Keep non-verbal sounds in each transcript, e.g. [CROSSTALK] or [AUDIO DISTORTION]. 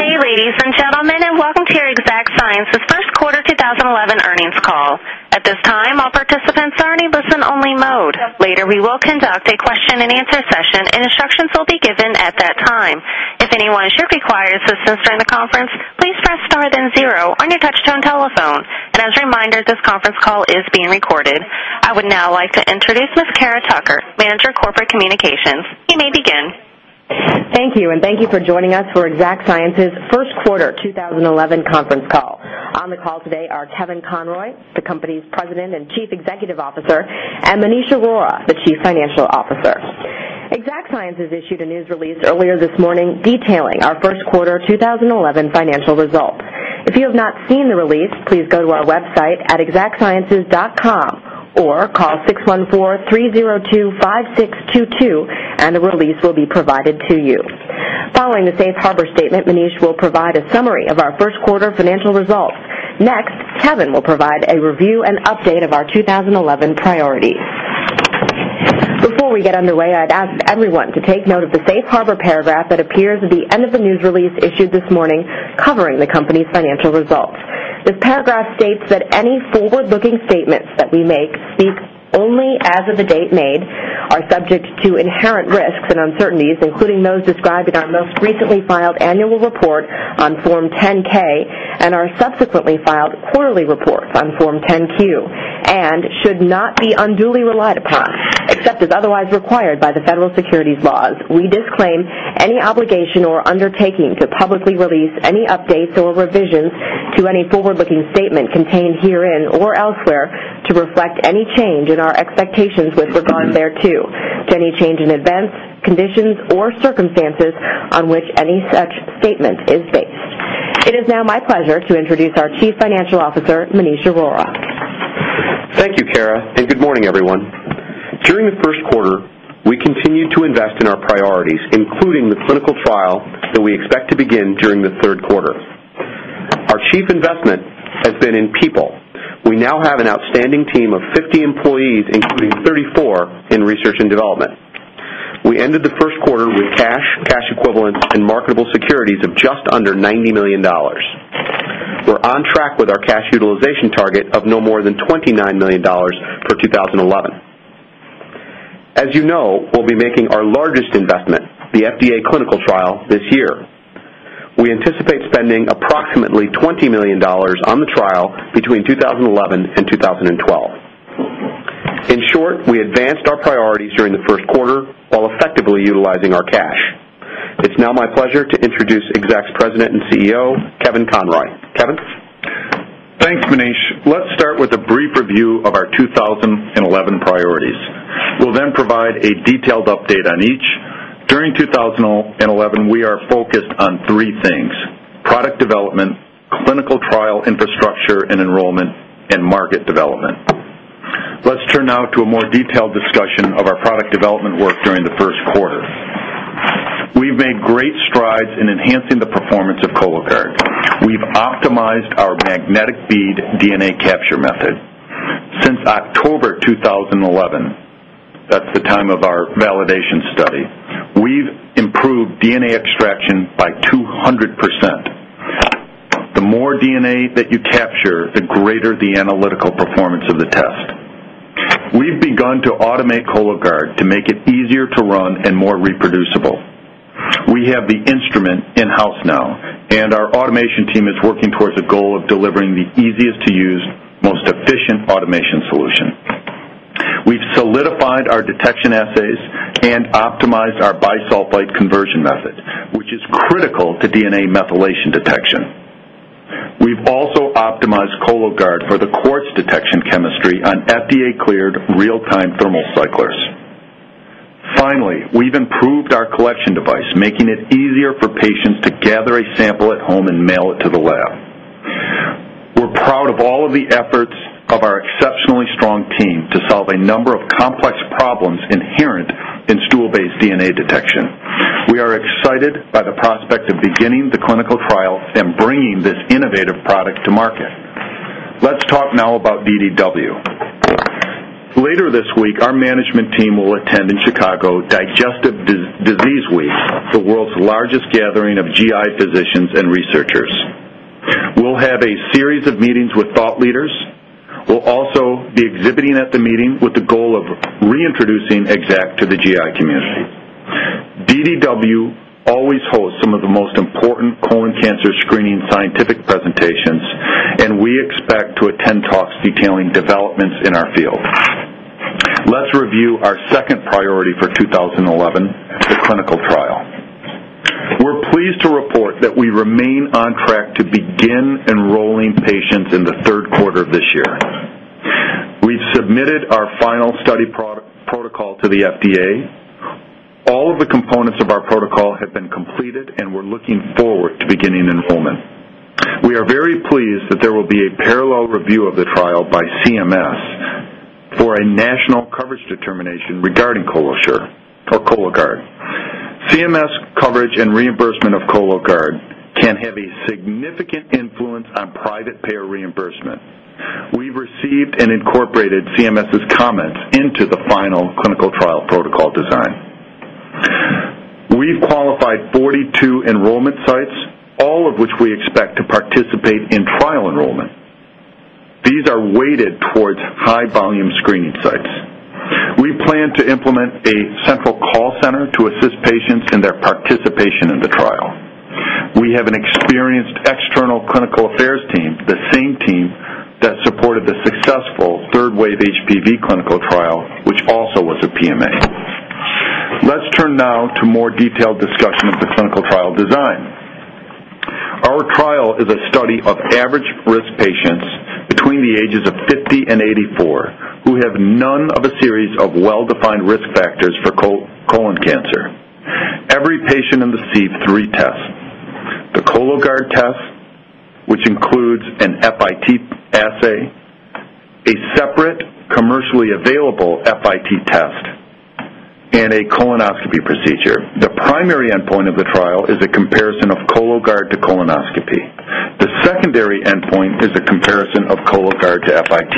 Good day, ladies and gentlemen, and welcome to your Exact Sciences First Quarter 2011 Earnings Call. At this time, all participants are in a listen-only mode. Later, we will conduct a question-and-answer session, and instructions will be given at that time. If anyone should require assistance during the conference, please press star then zero on your touch-tone telephone. As a reminder, this conference call is being recorded. I would now like to introduce Ms. Cara Tucker, Manager of Corporate Communications. You may begin. Thank you, and thank you for joining us for Exact Sciences First Quarter 2011 Conference Call. On the call today are Kevin Conroy, the company's President and Chief Executive Officer, and Maneesh Arora, the Chief Financial Officer. Exact Sciences issued a news release earlier this morning detailing our first quarter 2011 financial results. If you have not seen the release, please go to our website at exactsciences.com or call 614-302-5622, and a release will be provided to you. Following the safe harbor statement, Maneesh will provide a summary of our first quarter financial results. Next, Kevin will provide a review and update of our 2011 priorities. Before we get underway, I'd ask everyone to take note of the safe harbor paragraph that appears at the end of the news release issued this morning covering the company's financial results. This paragraph states that any forward-looking statements that we make speak only as of the date made, are subject to inherent risks and uncertainties, including those described in our most recently filed annual report on Form 10-K and our subsequently filed quarterly reports on Form 10-Q, and should not be unduly relied upon except as otherwise required by the federal securities laws. We disclaim any obligation or undertaking to publicly release any updates or revisions to any forward-looking statement contained herein or elsewhere to reflect any change in our expectations with regard thereto, to any change in events, conditions, or circumstances on which any such statement is based. It is now my pleasure to introduce our Chief Financial Officer, Maneesh Arora. Thank you, Cara, and good morning, everyone. During the first quarter, we continued to invest in our priorities, including the clinical trial that we expect to begin during the third quarter. Our chief investment has been in people. We now have an outstanding team of 50 employees, including 34 in research and development. We ended the first quarter with cash, cash equivalents, and marketable securities of just under $90 million. We're on track with our cash utilization target of no more than $29 million for 2011. As you know, we'll be making our largest investment, the FDA clinical trial, this year. We anticipate spending approximately $20 million on the trial between 2011 and 2012. In short, we advanced our priorities during the first quarter while effectively utilizing our cash. It's now my pleasure to introduce Exact's President and CEO, Kevin Conroy. Kevin? Thanks, Maneesh. Let's start with a brief review of our 2011 priorities. We'll then provide a detailed update on each. During 2011, we are focused on three things: product development, clinical trial infrastructure and enrollment, and market development. Let's turn now to a more detailed discussion of our product development work during the first quarter. We've made great strides in enhancing the performance of Cologuard. We've optimized our magnetic bead DNA capture method. Since October 2011, that's the time of our validation study, we've improved DNA extraction by 200%. The more DNA that you capture, the greater the analytical performance of the test. We've begun to automate Cologuard to make it easier to run and more reproducible. We have the instrument in-house now, and our automation team is working towards a goal of delivering the easiest-to-use, most efficient automation solution. We've solidified our detection assays and optimized our bisulfite conversion method, which is critical to DNA methylation detection. We've also optimized Cologuard for the quARTZ detection chemistry on FDA-cleared real-time thermal cyclers. Finally, we've improved our collection device, making it easier for patients to gather a sample at home and mail it to the lab. We're proud of all of the efforts of our exceptionally strong team to solve a number of complex problems inherent in stool-based DNA detection. We are excited by the prospect of beginning the clinical trial and bringing this innovative product to market. Let's talk now about DDW. Later this week, our management team will attend in Chicago Digestive Disease Week, the world's largest gathering of GI physicians and researchers. We'll have a series of meetings with thought leaders. We'll also be exhibiting at the meeting with the goal of reintroducing Exact to the GI community. DDW always hosts some of the most important colon cancer screening scientific presentations, and we expect to attend talks detailing developments in our field. Let's review our second priority for 2011, the clinical trial. We're pleased to report that we remain on track to begin enrolling patients in the third quarter of this year. We've submitted our final study protocol to the FDA. All of the components of our protocol have been completed, and we're looking forward to beginning enrollment. We are very pleased that there will be a parallel review of the trial by CMS for a national coverage determination regarding Cologuard. CMS coverage and reimbursement of Cologuard can have a significant influence on private payer reimbursement. We've received and incorporated CMS's comments into the final clinical trial protocol design. We've qualified 42 enrollment sites, all of which we expect to participate in trial enrollment. These are weighted towards high-volume screening sites. We plan to implement a central call center to assist patients in their participation in the trial. We have an experienced external clinical affairs team, the same team that supported the successful third-wave HPV clinical trial, which also was a PMA. Let's turn now to more detailed discussion of the clinical trial design. Our trial is a study of average risk patients between the ages of 50 and 84 who have none of a series of well-defined risk factors for colon cancer. Every patient understands three tests: the Cologuard test, which includes an FIT assay, a separate commercially available FIT test, and a colonoscopy procedure. The primary endpoint of the trial is a comparison of Cologuard to colonoscopy. The secondary endpoint is a comparison of Cologuard to FIT.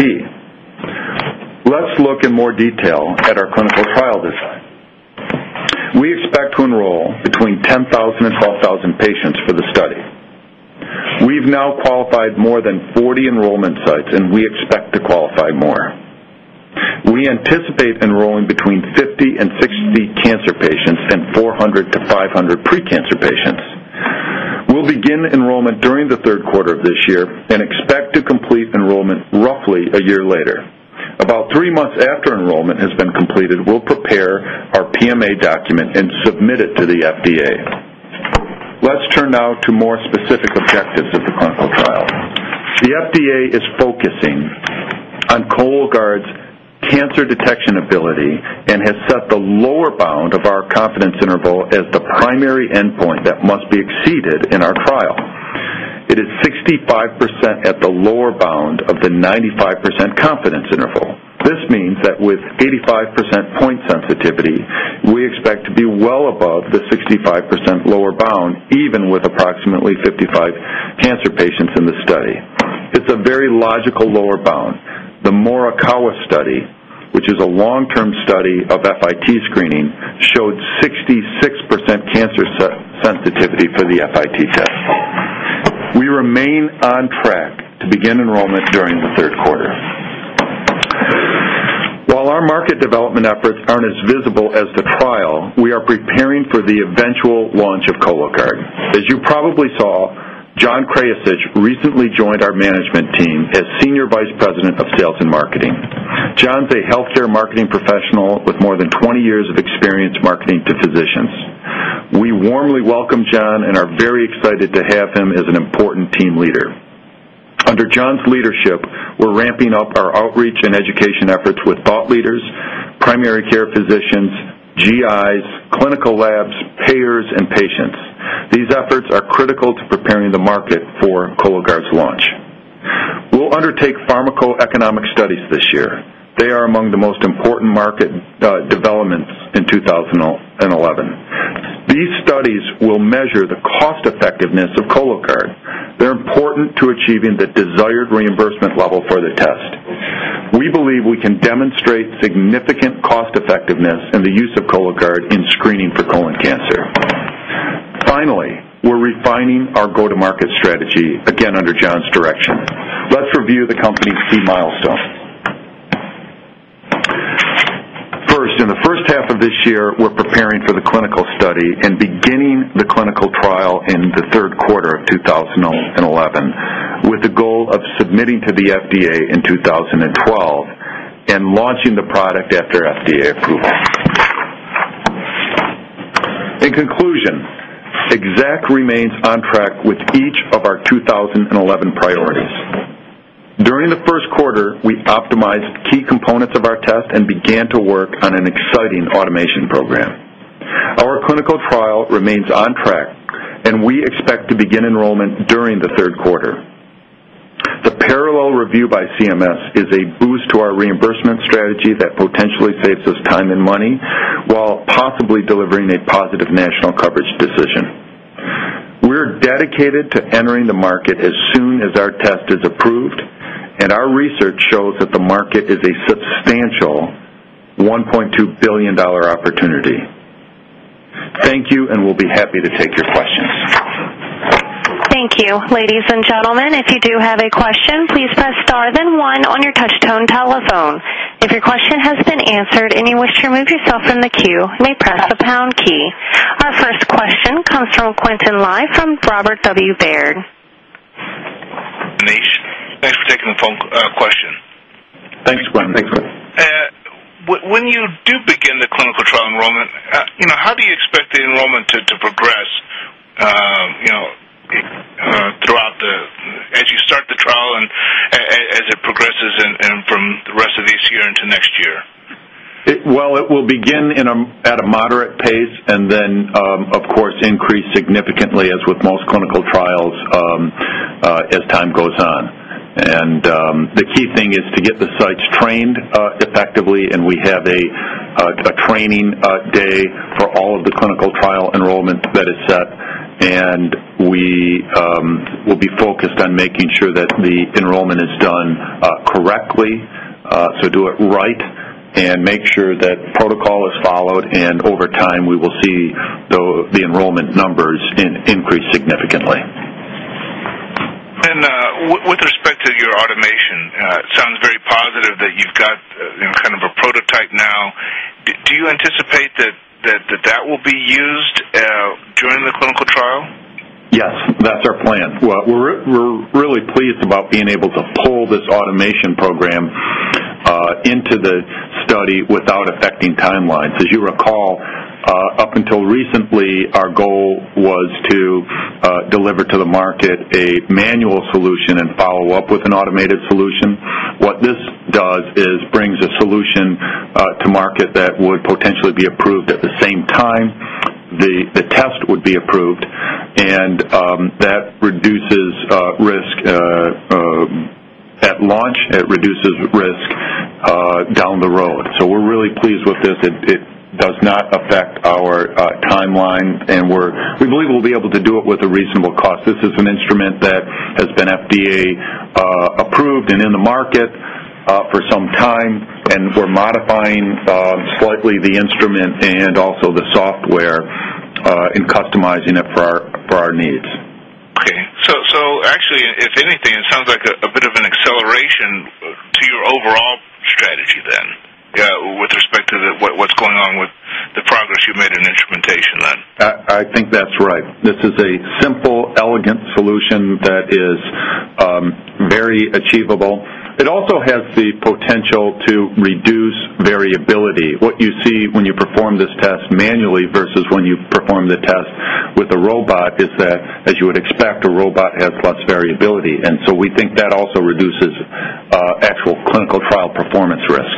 Let's look in more detail at our clinical trial design. We expect to enroll between 10,000 and 12,000 patients for the study. We've now qualified more than 40 enrollment sites, and we expect to qualify more. We anticipate enrolling between 50 and 60 cancer patients and 400-500 precancer patients. We'll begin enrollment during the third quarter of this year and expect to complete enrollment roughly a year later. About three months after enrollment has been completed, we'll prepare our PMA document and submit it to the FDA. Let's turn now to more specific objectives of the clinical trial. The FDA is focusing on Cologuard's cancer detection ability and has set the lower bound of our confidence interval as the primary endpoint that must be exceeded in our trial. It is 65% at the lower bound of the 95% confidence interval. This means that with 85% point sensitivity, we expect to be well above the 65% lower bound, even with approximately 55 cancer patients in the study. It's a very logical lower bound. The Morikawa study, which is a long-term study of FIT screening, showed 66% cancer sensitivity for the FIT test. We remain on track to begin enrollment during the third quarter. While our market development efforts aren't as visible as the trial, we are preparing for the eventual launch of Cologuard. As you probably saw, John Krayacich recently joined our management team as Senior Vice President of Sales and Marketing. John's a healthcare marketing professional with more than 20 years of experience marketing to physicians. We warmly welcome John and are very excited to have him as an important team leader. Under John's leadership, we're ramping up our outreach and education efforts with thought leaders, primary care physicians, GIs, clinical labs, payers, and patients. These efforts are critical to preparing the market for Cologuard's launch. We'll undertake pharmacoeconomic studies this year. They are among the most important market developments in 2011. These studies will measure the cost-effectiveness of Cologuard. They're important to achieving the desired reimbursement level for the test. We believe we can demonstrate significant cost-effectiveness in the use of Cologuard in screening for colon cancer. Finally, we're refining our go-to-market strategy, again under John's direction. Let's review the company's key milestones. First, in the first half of this year, we're preparing for the clinical study and beginning the clinical trial in the third quarter of 2011, with the goal of submitting to the FDA in 2012 and launching the product after FDA approval. In conclusion, Exact remains on track with each of our 2011 priorities. During the first quarter, we optimized key components of our test and began to work on an exciting automation program. Our clinical trial remains on track, and we expect to begin enrollment during the third quarter. The parallel review by CMS is a boost to our reimbursement strategy that potentially saves us time and money while possibly delivering a positive national coverage decision. We're dedicated to entering the market as soon as our test is approved, and our research shows that the market is a substantial $1.2 billion opportunity. Thank you, and we'll be happy to take your questions. Thank you, ladies and gentlemen. If you do have a question, please press star then one on your touch-tone telephone. If your question has been answered and you wish to remove yourself from the queue, you may press the pound key. Our first question comes from Quintin Lai from Robert W Baird. Maneesh, thanks for taking the question. Thanks, Quinn. When you do begin the clinical trial enrollment, how do you expect the enrollment to progress throughout as you start the trial and as it progresses from the rest of this year into next year? It will begin at a moderate pace and then, of course, increase significantly as with most clinical trials as time goes on. The key thing is to get the sites trained effectively, and we have a training day for all of the clinical trial enrollment that is set, and we will be focused on making sure that the enrollment is done correctly, do it right, and make sure that protocol is followed. Over time, we will see the enrollment numbers increase significantly. With respect to your automation, it sounds very positive that you've got kind of a prototype now. Do you anticipate that that will be used during the clinical trial? Yes, that's our plan. We're really pleased about being able to pull this automation program into the study without affecting timelines. As you recall, up until recently, our goal was to deliver to the market a manual solution and follow up with an automated solution. What this does is brings a solution to market that would potentially be approved at the same time the test would be approved, and that reduces risk at launch. It reduces risk down the road. We're really pleased with this. It does not affect our timeline, and we believe we'll be able to do it with a reasonable cost. This is an instrument that has been FDA-approved and in the market for some time, and we're modifying slightly the instrument and also the software and customizing it for our needs. Okay. So actually, if anything, it sounds like a bit of an acceleration to your overall strategy then with respect to what's going on with the progress you've made in instrumentation then. I think that's right. This is a simple, elegant solution that is very achievable. It also has the potential to reduce variability. What you see when you perform this test manually versus when you perform the test with a robot is that, as you would expect, a robot has less variability. We think that also reduces actual clinical trial performance risk.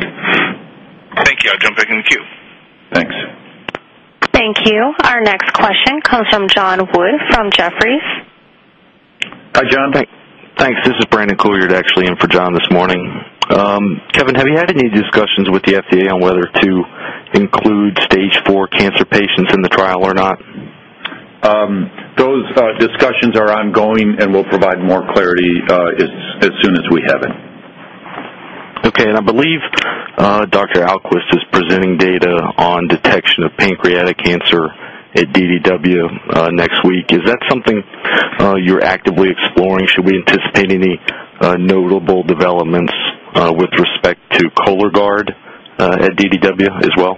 Thank you. I'll jump back in the queue. Thanks. Thank you. Our next question comes from John Wood from Jefferies. Hi, John. Thanks. This is Brandon Couillard, actually, in for John this morning. Kevin, have you had any discussions with the FDA on whether to include stage 4 cancer patients in the trial or not? Those discussions are ongoing, and we'll provide more clarity as soon as we have it. Okay. I believe Dr. Ahlquist is presenting data on detection of pancreatic cancer at DDW next week. Is that something you're actively exploring? Should we anticipate any notable developments with respect to Cologuard at DDW as well?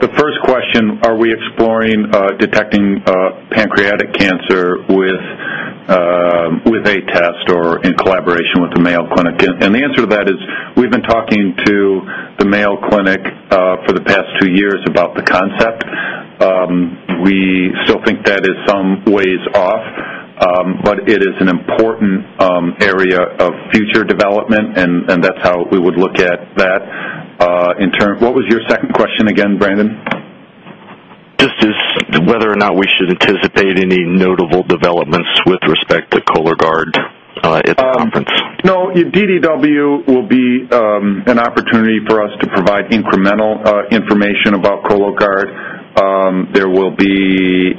The first question, are we exploring detecting pancreatic cancer with a test or in collaboration with the Mayo Clinic? The answer to that is we've been talking to the Mayo Clinic for the past two years about the concept. We still think that is some ways off, but it is an important area of future development, and that's how we would look at that. What was your second question again, Brandon? Just whether or not we should anticipate any notable developments with respect to Cologuard at the conference? No, DDW will be an opportunity for us to provide incremental information about Cologuard. There will be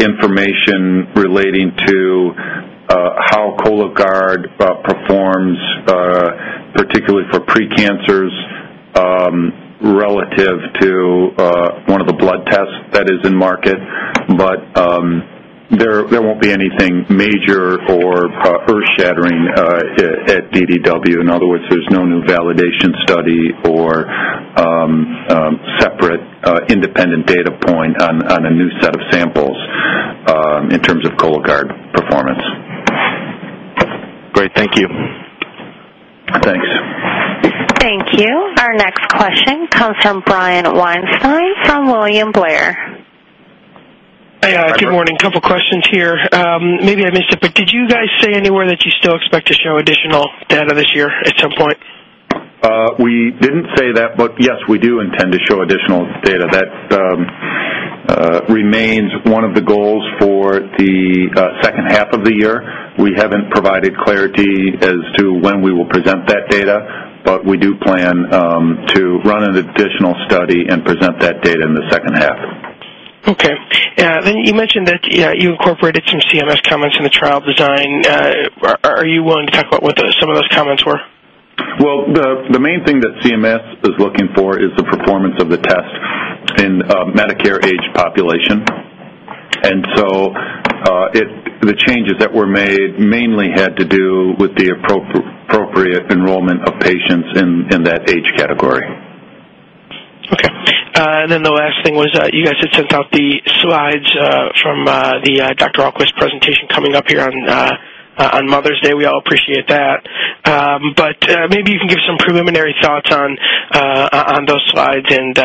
information relating to how Cologuard performs, particularly for precancers, relative to one of the blood tests that is in market. There will not be anything major or earth-shattering at DDW. In other words, there is no new validation study or separate independent data point on a new set of samples in terms of Cologuard performance. Great. Thank you. Thanks. Thank you. Our next question comes from Brian Weinstein from William Blair. Hi, good morning. A couple of questions here. Maybe I missed it, but did you guys say anywhere that you still expect to show additional data this year at some point? We didn't say that, but yes, we do intend to show additional data. That remains one of the goals for the second half of the year. We haven't provided clarity as to when we will present that data, but we do plan to run an additional study and present that data in the second half. Okay. Then you mentioned that you incorporated some CMS comments in the trial design. Are you willing to talk about what some of those comments were? The main thing that CMS is looking for is the performance of the test in Medicare-age population. The changes that were made mainly had to do with the appropriate enrollment of patients in that age category. Okay. And then the last thing was you guys had sent out the slides from the Dr. Ahlquist presentation coming up here on Mother's Day. We all appreciate that. Maybe you can give some preliminary thoughts on those slides and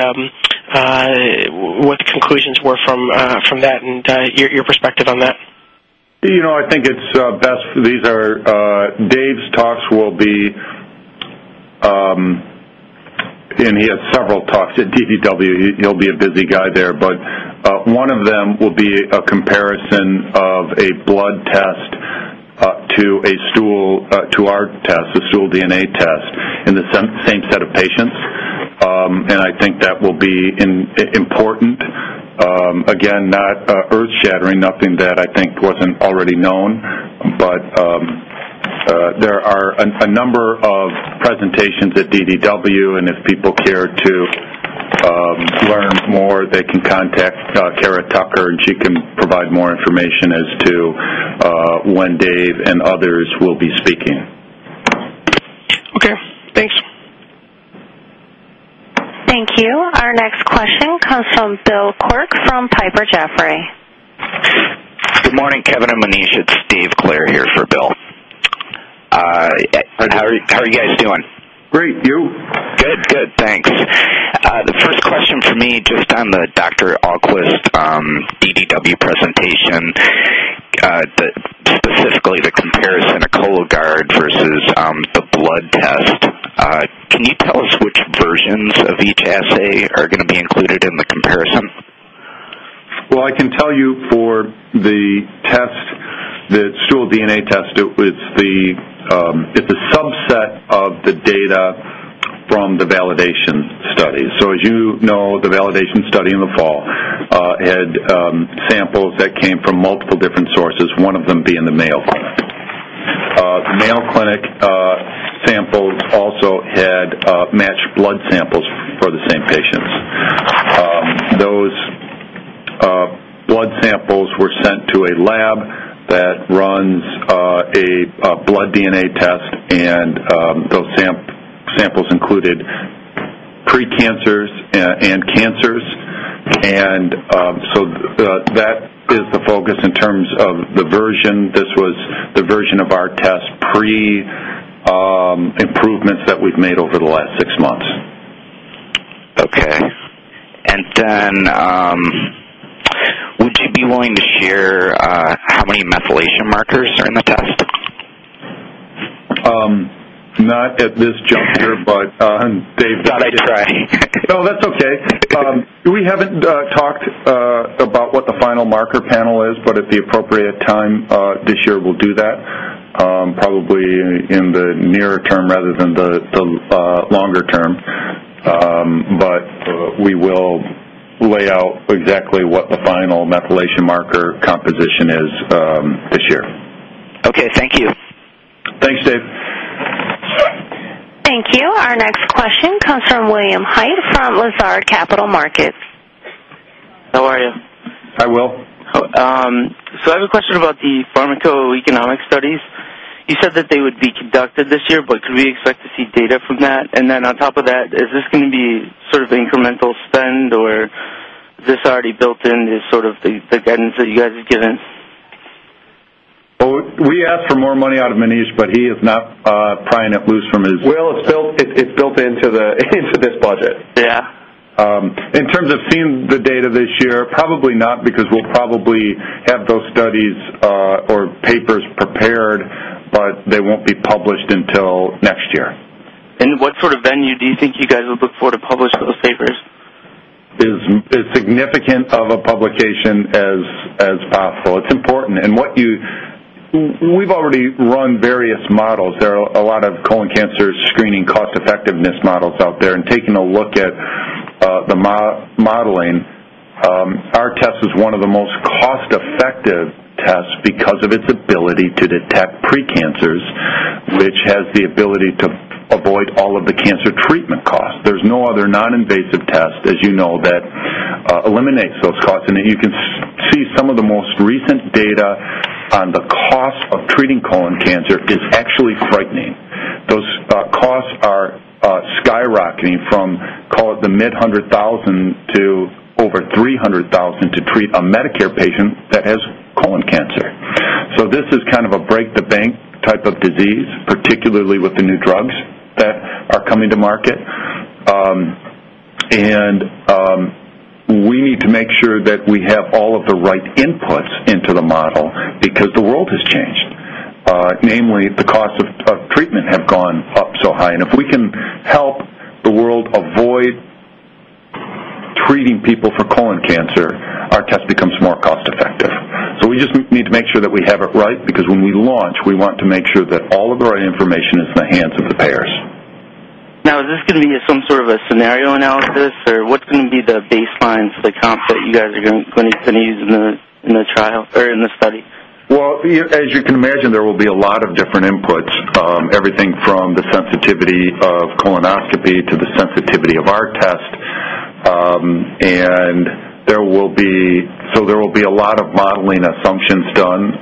what the conclusions were from that and your perspective on that. I think it's best. Dave's talks will be, and he has several talks at DDW. He'll be a busy guy there. One of them will be a comparison of a blood test to our test, the stool DNA test, in the same set of patients. I think that will be important. Again, not earth-shattering, nothing that I think wasn't already known. There are a number of presentations at DDW, and if people care to learn more, they can contact Cara Tucker, and she can provide more information as to when Dave and others will be speaking. Okay. Thanks. Thank you. Our next question comes from Bill Quirk from Piper Jaffray. Good morning, Kevin. I'm Manish. It's Dave Clair here for Bill. How are you guys doing? Great. You? Good. Good. Thanks. The first question for me just on the Dr. [AUDIO DISTORTION] Can you tell us which versions of each assay are going to be included in the comparison? I can tell you for the stool DNA test, it's the subset of the data from the validation study. As you know, the validation study in the fall had samples that came from multiple different sources, one of them being the Mayo Clinic. The Mayo Clinic samples also had matched blood samples for the same patients. Those blood samples were sent to a lab that runs a blood DNA test, and those samples included precancers and cancers. That is the focus in terms of the version. This was the version of our test, pre-improvements that we've made over the last six months. Okay. Would you be willing to share how many methylation markers are in the test? Not at this juncture, but Dave will. Got it. Sorry. No, that's okay. We haven't talked about what the final marker panel is, but at the appropriate time this year, we'll do that, probably in the near term rather than the longer term. We will lay out exactly what the final methylation marker composition is this year. Okay. Thank you. Thanks, Dave. Thank you. Our next question comes from William [Height] from Lazard Capital Markets. How are you? I will. I have a question about the pharmacoeconomic studies. You said that they would be conducted this year, but could we expect to see data from that? On top of that, is this going to be sort of incremental spend, or is this already built in, sort of the guidance that you guys have given? We asked for more money out of Maneesh, but he is not prying it loose from his. It is built into this budget. Yeah. In terms of seeing the data this year, probably not because we'll probably have those studies or papers prepared, but they won't be published until next year. What sort of venue do you think you guys would look for to publish those papers? As significant of a publication as possible. It's important. And we've already run various models. There are a lot of colon cancer screening cost-effectiveness models out there. And taking a look at the modeling, our test is one of the most cost-effective tests because of its ability to detect precancers, which has the ability to avoid all of the cancer treatment costs. There's no other non-invasive test, as you know, that eliminates those costs. And you can see some of the most recent data on the cost of treating colon cancer is actually frightening. Those costs are skyrocketing from, call it the mid-$100,000 to over $300,000 to treat a Medicare patient that has colon cancer. This is kind of a break-the-bank type of disease, particularly with the new drugs that are coming to market. We need to make sure that we have all of the right inputs into the model because the world has changed. Namely, the cost of treatment has gone up so high. If we can help the world avoid treating people for colon cancer, our test becomes more cost-effective. We just need to make sure that we have it right because when we launch, we want to make sure that all of the right information is in the hands of the payers. Now, is this going to be some sort of a scenario analysis, or what's going to be the baseline comp that you guys are going to use in the trial or in the study? As you can imagine, there will be a lot of different inputs, everything from the sensitivity of colonoscopy to the sensitivity of our test. There will be a lot of modeling assumptions done.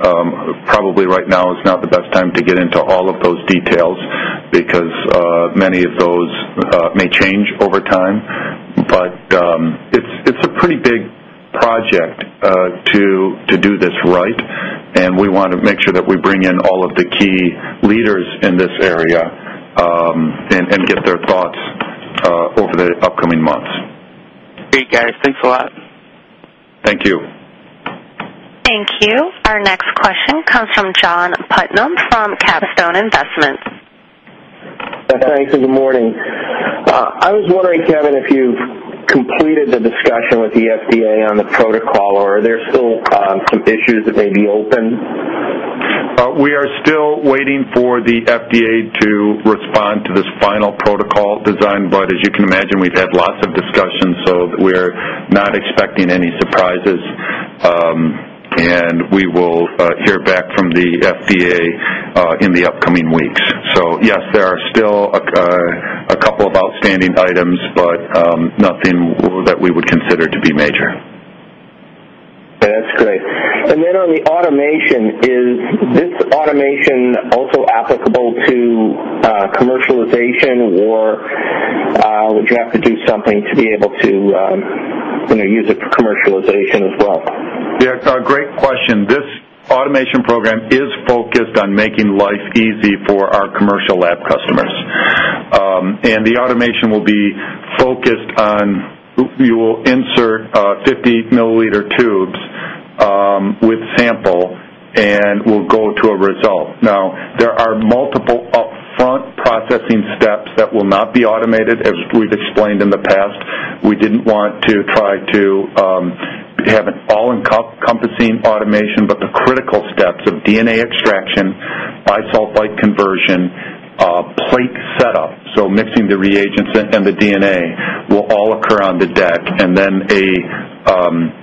Probably right now is not the best time to get into all of those details because many of those may change over time. It is a pretty big project to do this right, and we want to make sure that we bring in all of the key leaders in this area and get their thoughts over the upcoming months. Great, guys. Thanks a lot. Thank you. Thank you. Our next question comes from John Putnam from CapStone Investments. Thanks. Good morning. I was wondering, Kevin, if you've completed the discussion with the FDA on the protocol, or are there still some issues that may be open? We are still waiting for the FDA to respond to this final protocol design. As you can imagine, we've had lots of discussions, so we're not expecting any surprises. We will hear back from the FDA in the upcoming weeks. Yes, there are still a couple of outstanding items, but nothing that we would consider to be major. That's great. And then on the automation, is this automation also applicable to commercialization, or would you have to do something to be able to use it for commercialization as well? Yeah. It's a great question. This automation program is focused on making life easy for our commercial lab customers. The automation will be focused on you will insert 50 milliliter tubes with sample, and we'll go to a result. Now, there are multiple upfront processing steps that will not be automated, as we've explained in the past. We didn't want to try to have an all-encompassing automation, but the critical steps of DNA extraction, isolate conversion, plate setup, so mixing the reagents and the DNA will all occur on the deck. An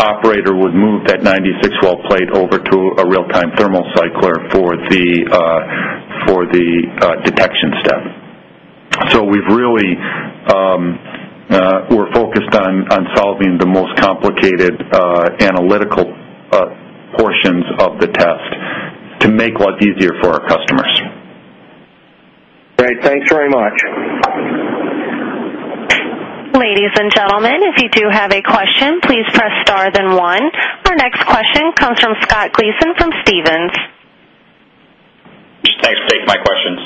operator would move that 96-well plate over to a real-time thermal cycler for the detection step. We are focused on solving the most complicated analytical portions of the test to make life easier for our customers. Great. Thanks very much. Ladies and gentlemen, if you do have a question, please press star then one. Our next question comes from Scott Gleason from Stephens. Thanks, Dave, for my questions.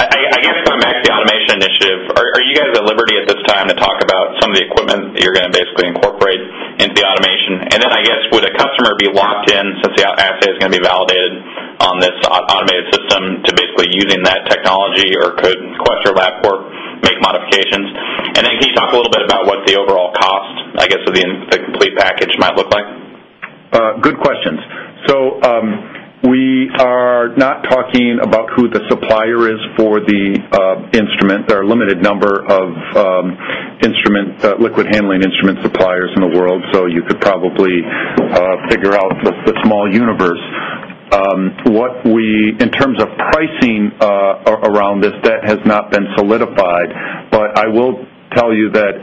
I guess going back to the automation initiative, are you guys at liberty at this time to talk about some of the equipment that you're going to basically incorporate into the automation? I guess, would a customer be locked in since the assay is going to be validated on this automated system to basically using that technology, or could Quest or Labcorp make modifications? Can you talk a little bit about what the overall cost, I guess, of the complete package might look like? Good questions. We are not talking about who the supplier is for the instrument. There are a limited number of liquid handling instrument suppliers in the world, so you could probably figure out the small universe. In terms of pricing around this, that has not been solidified. I will tell you that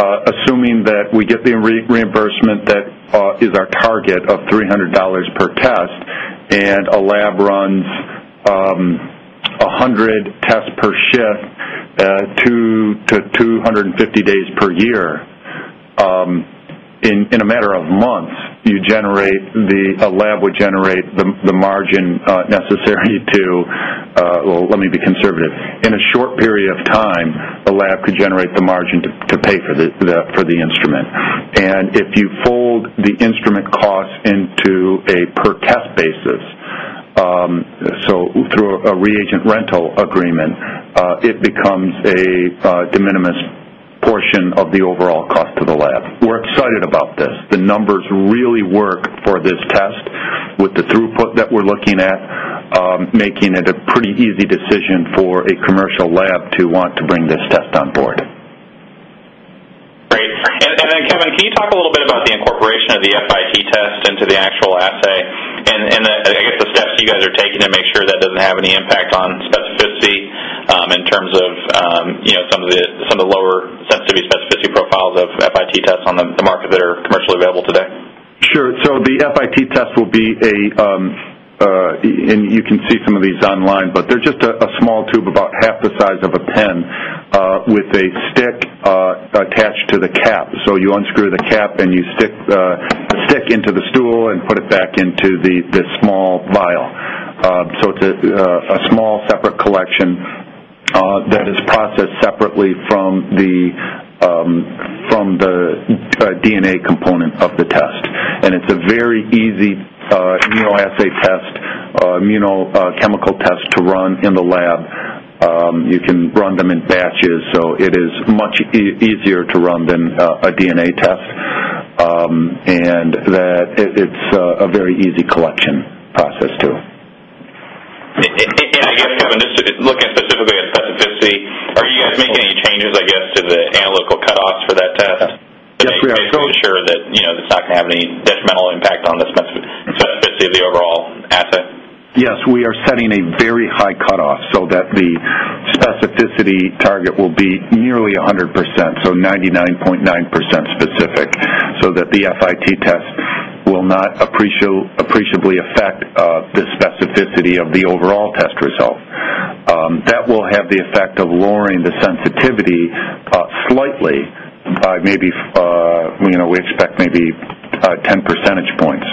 assuming we get the reimbursement that is our target of $300 per test and a lab runs 100 tests per shift to 250 days per year, in a matter of months, a lab would generate the margin necessary to—let me be conservative. In a short period of time, a lab could generate the margin to pay for the instrument. If you fold the instrument costs into a per-test basis, so through a reagent rental agreement, it becomes a de minimis portion of the overall cost to the lab. We're excited about this. The numbers really work for this test with the throughput that we're looking at, making it a pretty easy decision for a commercial lab to want to bring this test on board. Great. Kevin, can you talk a little bit about the incorporation of the FIT test into the actual assay and, I guess, the steps you guys are taking to make sure that does not have any impact on specificity in terms of some of the lower sensitivity specificity profiles of FIT tests on the market that are commercially available today? Sure. The FIT test will be a—and you can see some of these online—but they're just a small tube, about half the size of a pen, with a stick attached to the cap. You unscrew the cap, and you stick the stick into the stool and put it back into this small vial. It is a small separate collection that is processed separately from the DNA component of the test. It is a very easy immunoassay test, immunochemical test to run in the lab. You can run them in batches, so it is much easier to run than a DNA test. It is a very easy collection process too. I guess, Kevin, just looking specifically at specificity, are you guys making any changes, I guess, to the analytical cutoffs for that test? Yes, we are. Just making sure that it's not going to have any detrimental impact on the specificity of the overall assay? Yes. We are setting a very high cutoff so that the specificity target will be nearly 100%, so 99.9% specific, so that the FIT test will not appreciably affect the specificity of the overall test result. That will have the effect of lowering the sensitivity slightly by maybe—we expect maybe 10 percentage points.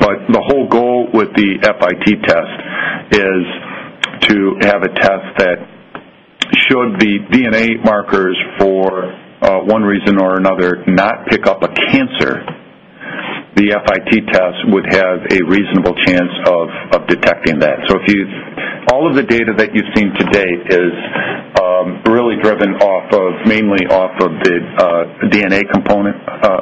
The whole goal with the FIT test is to have a test that should the DNA markers for one reason or another not pick up a cancer, the FIT test would have a reasonable chance of detecting that. All of the data that you've seen to date is really driven mainly off of the DNA component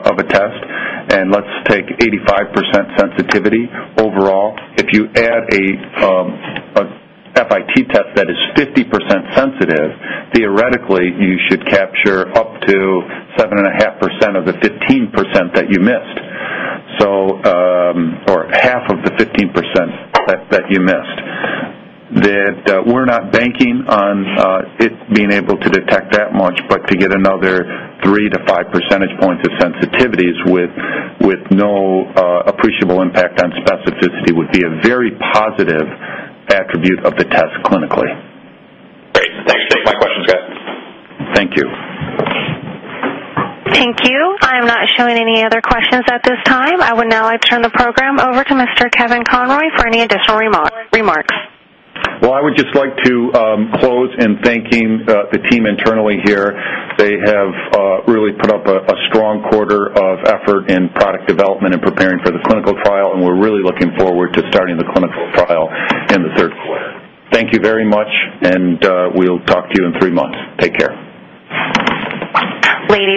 of a test. Let's take 85% sensitivity overall. If you add an FIT test that is 50% sensitive, theoretically, you should capture up to 7.5% of the 15% that you missed or half of the 15% that you missed. We're not banking on it being able to detect that much, but to get another 3-5 percentage points of sensitivities with no appreciable impact on specificity would be a very positive attribute of the test clinically. [AUDIO DISTORTION] [AUDIO DISTORTION] Thank you. I am not showing any other questions at this time. I would now like to turn the program over to Mr. Kevin Conroy for any additional remarks. I would just like to close in thanking the team internally here. They have really put up a strong quarter of effort in product development and preparing for the clinical trial, and we're really looking forward to starting the clinical trial in the third quarter. Thank you very much, and we'll talk to you in three months. Take care. Later.